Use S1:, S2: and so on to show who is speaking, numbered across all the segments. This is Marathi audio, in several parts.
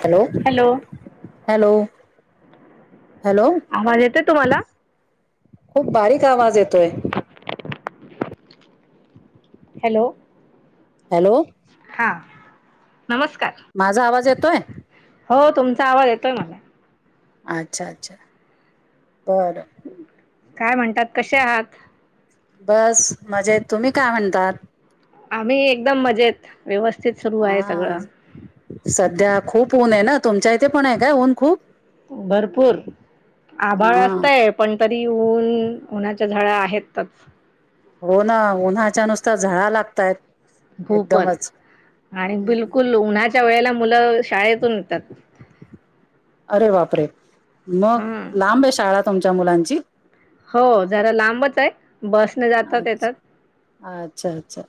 S1: हॅलो हॅलो हॅलो
S2: आवाज येतय तुम्हाला
S1: खूप बारीक आवाज येतोय
S2: हॅलो
S1: हॅलो
S2: हा नमस्कार
S1: तोय
S2: हो तुमचा आवाज येतोय मला
S1: अच्छा अच्छा बर
S2: काय म्हणतात कसे आहात
S1: बस मजेत तुम्ही काय म्हणतात
S2: आम्ही एकदम मजेत व्यवस्थित सुरू आहे
S1: हा
S2: सगळं
S1: सध्या खूप ऊन आहे ना तुमच्या इथे पण आहे का ऊन खूप
S2: भरपूर आभाळ
S1: हा
S2: असतय पण तरी ऊन झाळ आहेतच
S1: हो ना उन्हाच्या नुसतार झळा लागतयत
S2: खूपच आणि बिलकुल उन्हाच्या वेळेला मुला शाळेतून येतात
S1: अरे वापरे मग
S2: हम्म.
S1: लांब आहे शाळ तुमच्या मुलांची
S2: हो जरा लांबच हाय
S1: अचछ अच्छा अच्छा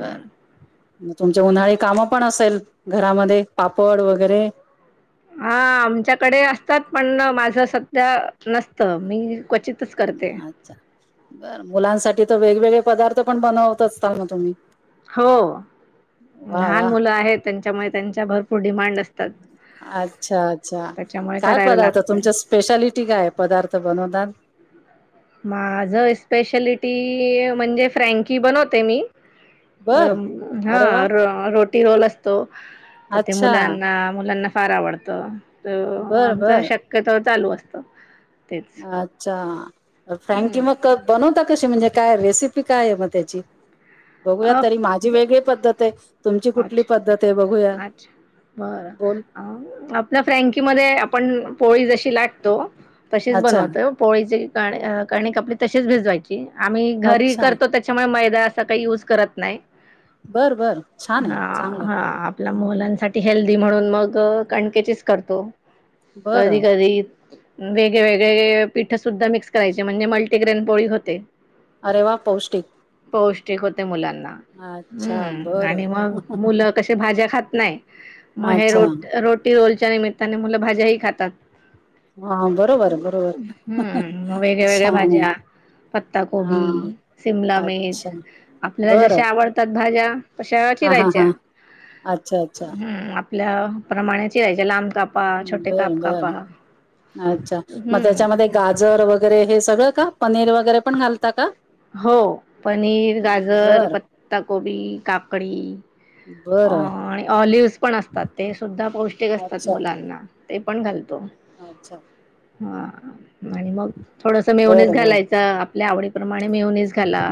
S1: बर म तुमच्या उन्हाळी कामं पण असेल घरामध्ये पापड वगैरे
S2: हा आमच्याकडे असतात पण माझ सध्या नसतं मी क्वचित
S1: अच्छा बर मुलांसाठी तर वेग वगवेगळे पदार्थ पण बनवत असताल तुम्ही
S2: हो
S1: वा
S2: लहान
S1: वा
S2: मुलं आहेत त्यांच्यामुळे त्यांच्या भरपूर डिमांड असता
S1: अच्छा अच्छा
S2: त्याच्यामुळे
S1: काय
S2: करायला
S1: पदार्थ
S2: लागतं.
S1: तुमच्या स्पेशालिटी काय पदार्थ बनवता
S2: ती म्हणजे फ्रँकी बनवते मी अ
S1: बर
S2: हा
S1: अरे वा
S2: र रट टिरोोल असतो तर ते
S1: अच्छा
S2: मुलांना मुलांना फार आवडतं तर
S1: बर
S2: आमच
S1: बर
S2: शकतो चालू असत
S1: अच्छा फ्रँकी
S2: हम्म.
S1: मग बनवत कशी म्हणजे काय रेसिपी काय आहे मग त्याची बघूया
S2: अ
S1: तरी माझी वेगळी पद्धत आहे तुमची कुठली
S2: अच्छा
S1: पद्धत आहे बघूया
S2: अच्छा. बरं. अ, आपल्या फ्रँकीमध्ये आपण पोळी जशी लाटतो तशीच
S1: अच्छा
S2: बनवत पोळीची कणीक आपली तसेच भिजवायची आम्ही घरी
S1: अच्छा
S2: करतो त्याच्यामुळे म जां काही यूज करत नाही
S1: बर बर छान आहे
S2: हा
S1: चांगलं आहे.
S2: हा आपल्या
S1: हं, हं.
S2: मुलांसाठी हेल्दी म्हणून मग कणकी चीच करतो कधी
S1: बरं
S2: कधी वेगळेवेगळे पीठ सुद्धा मिक्स करायचे म्हणजे मल्टीग्रेन पोळी होते
S1: अरेवा पौष्टिक
S2: ते होत ते मुलां
S1: अच्छा
S2: हम्म
S1: बरं
S2: आणि मग मूल कशे ना ते भाज्या खात नाही म हे
S1: अच्छा
S2: रट रोटी रोलची च्या निमित्ताने मुलं भाज्याही खातात
S1: हा बरोबर बरोबर
S2: हम्म म वेगळ्या वेगळ्या
S1: छान
S2: भाज्या पत्ता
S1: आहे
S2: कोबी शिमला
S1: हा
S2: मिर्च
S1: अच्छा
S2: आपल्याला जश
S1: बरं
S2: आवडतात भाज्या तशा
S1: हा हा
S2: चिरायच्या
S1: हा अच्छा अच्छा
S2: हम्म आपल्या प्रमाणाची
S1: बर बरं अच्छा मग
S2: हम्म
S1: त्याच्यामध्ये गाजर वगैरे हे सगळं का पनीर वगैरे पण घालता का
S2: हो पनीर गाजर
S1: बर
S2: पत्ताकोबी काकडी अ
S1: बर
S2: आणि ऑलिव पण असतात ते सुद्धा पौष्टिक असतात
S1: अच्छा
S2: मुलांना ते पण घालतो
S1: अच्छा
S2: हा आणि मग थोडस
S1: बर
S2: मायोनिस
S1: बर
S2: घालायचं आपल्या आवडीत आणि मेहनीस घाला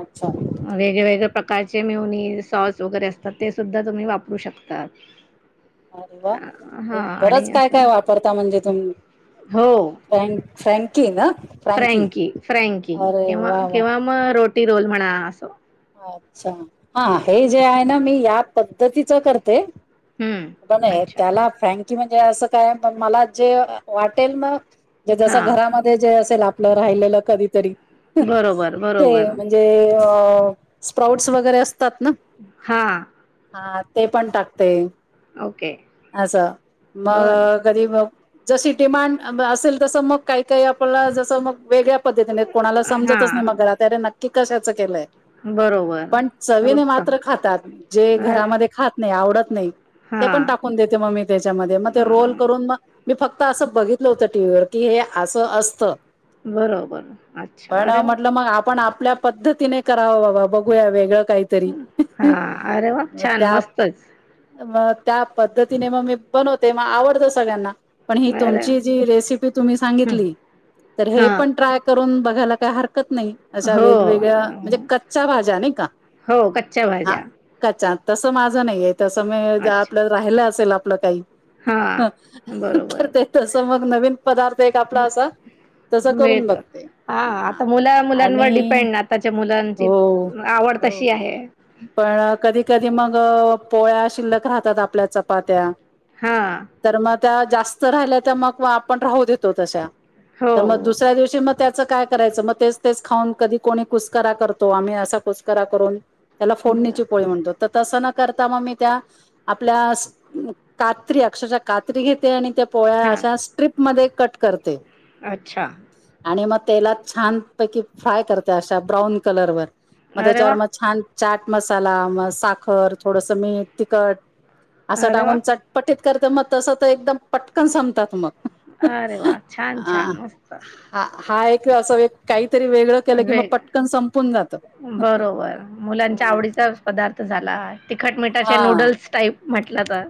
S1: अच्छा
S2: वेगवेेगळ्या प्रकारचे मेहनीस सॉस वगैरे असतात ते सुद्धा तुम्ही वापरू शकताात
S1: अरे वा बरंच काय
S2: असं
S1: काय वापरता म्हणजे
S2: हो
S1: तुम्ही फ्रँकि ना
S2: फ्रँकी
S1: अरे वा वा
S2: फ्रँकी्हा मग रोटी रोल म्हणा आ असं
S1: अच्छा हा हे जे आहे ना मी या पद्धतीचं करते
S2: हम्म अच्छा
S1: त्याला फॅन कि म्हणजे असं काय मला जे वाटेल न ज जस
S2: हां
S1: घरामध्ये जे असेल आप आप राहिलेलं कधीतरी
S2: बरोबर
S1: ते
S2: बरोबर
S1: म्हणजे त स्प्राउत्स वगैरे अस तात ना
S2: हां
S1: हा ते पण टाकते
S2: ओके
S1: असं मग
S2: बरं
S1: कधी मग जशी डिमांड असेल तसं मग काही काही आपल्याला जसं मग वेगळ्या पद्धतीने कोणाला समजतच नाही
S2: हां
S1: मग घरा त्याक कि कशाचं केलंय
S2: बरोबर.
S1: पण चवीने
S2: उत्तम.
S1: मात्र खातात जे
S2: अरे
S1: घरामध्ये खात नाही आव डत नाही ते पण
S2: हां.
S1: टाकून देते मग मी त्याच्यामधे मग ते रोल
S2: हां.
S1: करून मग मी फक्त असं बघितलं होतं टीव्हीवर की हे असं असतं
S2: बरोबर अच्छा अरे वा!
S1: कुठल्या पद्धतीने करावं बाबा बघूया वेगळं काहीतरी
S2: हा
S1: मग
S2: अरे वा छान
S1: त्या
S2: मस्तच
S1: मग त्या पद्धतीने मग मी बनवते मग आवडतं सगळ्यांना पण ही
S2: अरे
S1: तुमची जी रेसिपी तुमी
S2: हं.
S1: सांगितली तर हे
S2: हां.
S1: पण ट्राय करून बघ ह्याला का हर कत नाही अशा
S2: हो.
S1: वेगवेगळ्या म्हणजे
S2: अ,
S1: कत च्या भाज्या नाही का
S2: हो, कच्च्या
S1: आ
S2: भाज्या.
S1: कच्च्या तसं माझं नाहीये जस मी जा
S2: अच्छा.
S1: आपल राहिल असेल अप पलं काही
S2: हां.
S1: तर
S2: बरोबर.
S1: ते तस मग नवीन पदार्थ एक आपला असा तसं करून
S2: मिळतं
S1: बघते
S2: हा आता मुला मुलांवर
S1: आणि
S2: डिपेंड आताच्या मुला
S1: हो
S2: आवड
S1: हो
S2: तशी आहे
S1: पण कधी कधी मग पोळ्या शिल्लक राहतात आपल्या चपात्या
S2: हा
S1: तर मग त्या जास्त राहिल्या त्या मग व आपण राहू देतो तशा
S2: हो.
S1: तर मग दुसऱ्या दिवशी मत त्याचं काय करायचं मग तेच तेच खाऊन कधी कोणी कुसकरा करतो आम्ही असा कुसकरा करून त्याला फोडणीची
S2: बरं.
S1: पोळी म्हणतो त तस न करता मग मी त्या आपल्यास कात्री अक्षरशः कात्री घेते आणि त्या पोळ्या
S2: हां.
S1: अशा स्ट्रिप मधे कट करते.
S2: अच्छा.
S1: आणि मग तेलात छानपैकी फ्राय करते. अशा ब्राऊन कलरवर मग
S2: अरे
S1: त्याच्यावर,
S2: वाह!
S1: मग छान चाट मसाला, मग साखर, थोडस मीठ, तिखट. असं
S2: अरे वाह!
S1: टाकून चटपटीत. करतर मग, तस तर एकदम पटकन संपतात मग,
S2: अरे वा! छान
S1: हा
S2: छान मस्त.
S1: हा हा एक असं काही तरी वेगळं केलं कि, मग
S2: वेग
S1: पटकन संपून जात.
S2: चावडीचा पदार्थ झाला, तिखट मिठाचे
S1: हा
S2: नूडल्स टाईप म्हटलं तर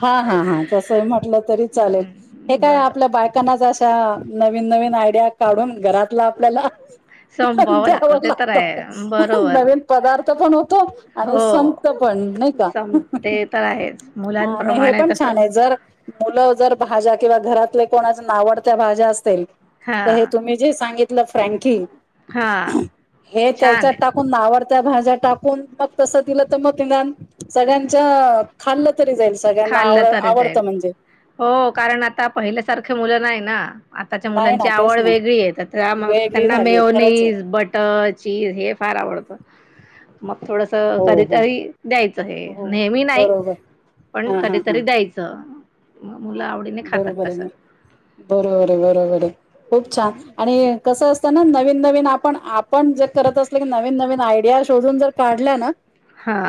S1: हा हा हा तस म्हटलं तरी चालेल हे
S2: हम्म,
S1: काय
S2: बरं
S1: आपल्या बायकांना जास हा नवीन नवीन आयडिया काढून. घरातला आपल्याला
S2: संपवावं
S1: द्याव
S2: लागतं ते तर
S1: लागत.
S2: आहे बरोबर
S1: नवीन पदार्थ पण होतो आणि संपत
S2: हो
S1: पण नाही का?
S2: सम ते तर आहेच
S1: अ नाही हे,
S2: मुलांप्रमाणे
S1: पण
S2: तसं
S1: छान आहे. जर मुलं जर भाज्या किंवा घरातले कोणाच नावडत्या भाज्या असेल, हे
S2: हां
S1: तुम्ही जे सांगितलं फ्रँकी,
S2: हां
S1: हे
S2: छान
S1: त्याच्यात
S2: आहे
S1: टाकून आवडत त्या भाज्या टाकून मग तसं दिलं तर मग तान सगळ्यांच्या, खाल्ल,
S2: खाल्लं तर जाईल. हो कारण आता पहिलं, सारख मुलं नाही ना, आताच्या
S1: नाही
S2: मुलांची
S1: ना तेच
S2: आवड
S1: ना
S2: वेगळी आहे. तर त्या
S1: वेगळी
S2: त्यांना
S1: झालीय खरंच आहे
S2: मेओनीज बटर चीज हे फार आवडत. थोडस
S1: हो हो
S2: कधीतरी द्यायचं, हे
S1: हो
S2: नेहमी नाही.
S1: बरोबर
S2: पण
S1: हा हा
S2: कधीतरी द्यायचं.
S1: हा
S2: मुलं
S1: हा
S2: आवडीने खातात
S1: बरोबर आहे.
S2: तसं
S1: म बरोबर आहे बरोबर आहे खूप छान आणि कस असत. नवीन नवीन आपण, आपण जे करत असल की नवीन नवीन आयडिया शोधून जर काढल्या ना.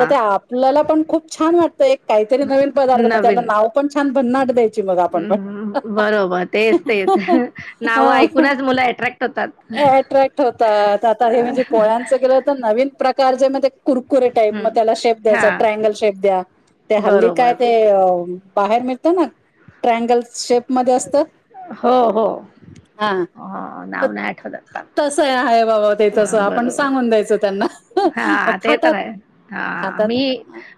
S1: तर ते आपल्याला पण, खूप छान वाटतेय एक, काहीतरी नवीन पदार्थ, मग त्याला
S2: नवीन
S1: नाव पण छान भन्नाड दे. [inaudible]
S2: हम्म बरोबर तेच तेच नाव ऐकूनच मुलं अट्रॅक्ट होतात
S1: [unintelligible] कुरकुरे टाईप मग
S2: हम्म
S1: त्याला शेप
S2: हा
S1: द्यायचा, ट्रायंगल शेप द्या ते हल्ली काय
S2: बरोबर
S1: ते.. बाहेर निघ. की नाही ट्रानगल शेप मध्ये असत.
S2: हो हो - अं
S1: मग
S2: -नाव नाही आठवत आता-
S1: तसं आहे बाबा ते तसं
S2: हं-
S1: आपण
S2: बरोबर
S1: सांगून द्यायचं त्यांना
S2: हा
S1: मग
S2: ते तर
S1: खातात
S2: आहे हा
S1: खातात
S2: मी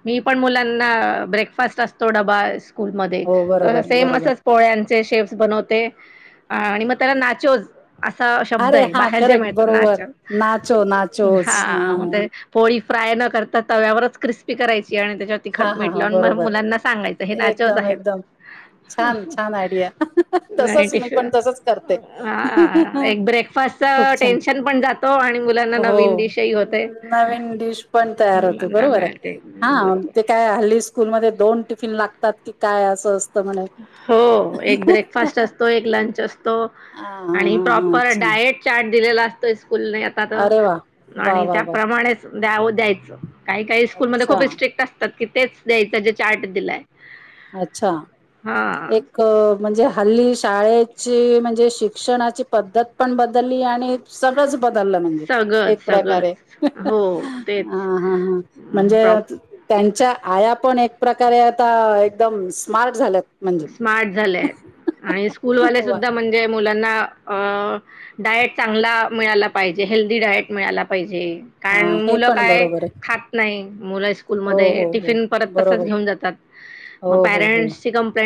S2: मी पण मुलां ना ब्रेकफास्ट असतो डबा [inaudible] स्कूलमधे
S1: हो
S2: तर
S1: बरोबर
S2: सेम
S1: बरोबर
S2: असच पोळ्यांचे श [inaudible] ते -आणि मग त्याला नाचोज. असा शब्द
S1: अरे
S2: आहे
S1: हा
S2: बाहेर ज्या
S1: करेक्ट
S2: मिळत ना
S1: बरोबर
S2: ते
S1: नाचो
S2: [inaudible]
S1: नाचोच
S2: -हां पोळी फ्राय न करता तव्यावरच क्रिस्पी. ते करायं. आणि त्याच्यावरती
S1: हा
S2: तिखट
S1: हा
S2: मीठ
S1: हा
S2: लावून म
S1: बरोबर
S2: मुलांना सांगायचं हे नाचोज
S1: एकदम
S2: आहेत.
S1: एकदम छान छान आयडिया
S2: नाही
S1: तसच
S2: [inaudible]
S1: मी पण तसच करते
S2: हां एक
S1: खूप
S2: ब्रेकफास्टच
S1: छान
S2: टेन्शन पण जातो आणि मुलांना
S1: हो
S2: नवीन डिशही होते-
S1: नवीन डिश पण तयार होते
S2: मुलांना
S1: बरोबर आहे
S2: मिळते
S1: हा
S2: बरोबर.
S1: ते काय हल्ली स्कूलमध्ये दोन टिफिन लागतात की काय असं असत.
S2: हो एक ब्रेकफास्ट असतो एक लंच असतो.
S1: हा हा
S2: आणि
S1: हा हा
S2: प्रॉपर
S1: अच्छा
S2: डायट चार्ट दिलेला असतो. फुल येतात
S1: अरे वा वा
S2: आणि
S1: वा वा
S2: त्याप्रमाणेच द्याव द्यायचं. काही काही स्कूलमध्ये
S1: अच्छा
S2: खूप स्ट्रिक्ट असतात [inaudible] तेच द्यायचं जे चार्ट दिलाय.
S1: अच्छा.
S2: हा
S1: एक-म्हणजे. हल्ली शाळेची म्हणजे शिक्षणाची पद्धत पण बदलली आणि सगळंच. बदललं म्हणजे एक
S2: सगळंच
S1: प्रकारे
S2: सगळंच हो तेच
S1: हं हं म्हणजे
S2: प्रॉप
S1: त्यांच्या आया पण एक प्रकारे आता एकदम स्मार्ट झाल्यात. म्हणजे
S2: स्मार्ट झाल्यात आणि स्कूलवाले
S1: वा.
S2: सुद्धा म्हणजे मुलांना- अं-डायट चांगला मिळाला पाहिजे हेल्दी डायट मिळाला पाहिजे कारन
S1: हा हे
S2: मुल
S1: पण
S2: काय
S1: बरोबर आहे
S2: खात नाही मुल स्कूल
S1: हो
S2: मधे
S1: हो हो
S2: टिफिन परत तसच
S1: बरोबर
S2: घेऊन जातात
S1: हो
S2: मग
S1: हो हो
S2: प्यारंट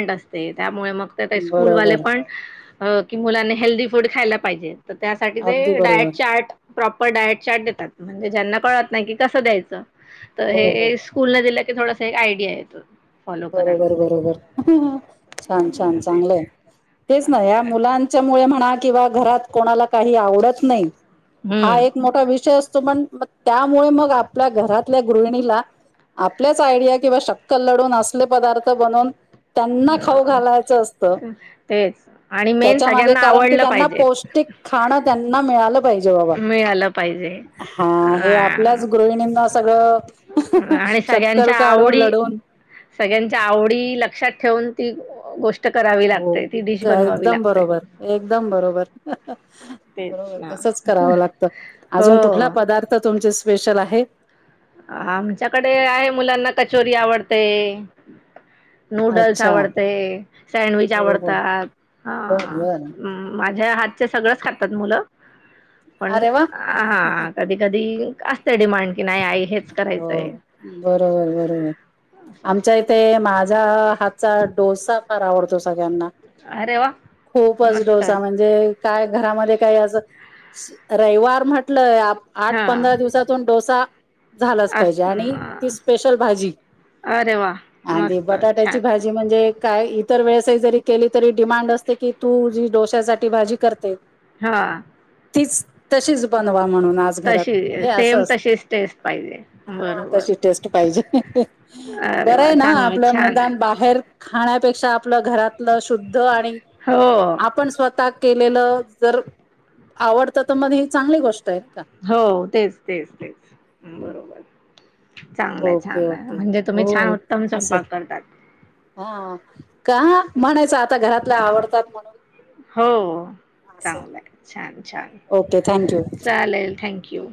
S2: [unintelligible] त्यामुळे मग ते ते स्कूलवाले
S1: बरोबर
S2: पण हो की मुलाने हेल्दी फूड खायला पाहिजे तर त्यासाठी ते
S1: अगदी
S2: डायट
S1: बरोबर
S2: चार्ट प्रॉपर डाएट चार्ट देतात म्हणजे ज्यांना कळत नाही की कसं द्यायचं तर
S1: हो हो
S2: हे स्कूल न दिलं की थोडा हे आयडिया येतो फॉलो करायला.
S1: बरोबर बरोबर [inaudible] छान, छान
S2: अ, ते
S1: चांगल तेच ना या
S2: असंच आहे.
S1: मुलांच्या मुळे म्हणा किंवा घरात कोणाला काही आवडत नाही हा एक
S2: हम्म
S1: मोठा विषय अस [unintelligible] त्यामुळे मग आपल्या घरातल्या गृहिणीला आपल्याच आयडिया किंवा शक्कल लढवून अस गले पदार्थ बनवून त्यांना खाऊ
S2: हो
S1: घालायचं असत
S2: तेच आणि मेन
S1: त्याच्या मागे
S2: सगळ्यांना
S1: कारण की
S2: आवडलं
S1: त्यांना
S2: पाहिजे
S1: पौष्टिक खाणं त्या ना मिळालं पाहिजे बाबा,
S2: मिळालं पाहिजे
S1: हा हे आपल्याच
S2: अ
S1: गृहिणींना सगळं हं, हं
S2: आणि
S1: शक्कल
S2: सगळ्यांच्या
S1: काढून
S2: आवडी
S1: लढून
S2: सगळ्यांच्या आवडी लक्षात ठेवून ती गोष्ट करावी
S1: हो
S2: लागते ती डिश
S1: काय
S2: बनवावी
S1: एकदम
S2: लागते
S1: बरोबर, एकदम बरोबर हं, हं
S2: तेच
S1: बरोबर
S2: ना
S1: तसच करावं लागतं
S2: हो
S1: अजून कुठला पदार्थ तुमचे स्पेशल आहे. हेत
S2: आमच्याकडे आहे मुलांना कचोरी आवडते. नूडल्स,
S1: अच्छा
S2: आवडते सँडविच,
S1: हो हो
S2: आवडतात
S1: बर बर
S2: माझ्या हात आजचे सगळंच खातात मुलं पण
S1: अरे वा
S2: हा कधी, कधी असते डिमांड की नाही आ
S1: हो बरोबर, बरोबर
S2: असं
S1: आमच्या
S2: असते
S1: इथे, माझा हात चा डोसा फार आवडतो सगळ्यांना
S2: अरे वा
S1: खूपच
S2: मस्त
S1: डोसा म्हणजे, काय घरामध्ये काही असं स रविवार म्हटलय आप आठ,
S2: हा
S1: पंधरा दिवसातून डोसा झालाच पाहिजे
S2: असत
S1: आणि ती स्पेशल भाजी
S2: अरे वा
S1: आणि ती
S2: मस्त
S1: बटाट्याची
S2: छान
S1: भाजी म्हणजे काय इतर वेळेसही जरी केली तरी डिमांड असते की तू जी डोश्यासाठी भाजी करते
S2: हा
S1: तीच, तशीच बनवा. म्हणून आज घरात
S2: तशी
S1: म्हणजे असं
S2: सेम
S1: असत
S2: तशीच टेस्ट पाहिजे बरोबर
S1: यजे [inaudible]
S2: अरे वा
S1: बरंय ना
S2: चांगलं
S1: आपलं
S2: छान
S1: निदान
S2: आहे
S1: बाहेर खाण्यापेक्षा आपलं घरातलं शुद्ध आणि
S2: हो
S1: आपण स्वतः केलेलं, जर आवडत तर, मग ही चांगली गोष्ट आहे. का
S2: हो, तेच तेच तेच बरोबर चांगलंय
S1: ओके
S2: छान आहे
S1: ओके
S2: म्हणजे तुम्ही छान
S1: हो
S2: उत्तम
S1: असं
S2: स्वयंपाक करतात.
S1: हा, का म्हणायचं आता घरातल्या आवडतात म्हणून?
S2: हो
S1: असं
S2: चांगलंय छान. छान,
S1: ओके थँक्यू
S2: चालेल थँक यू.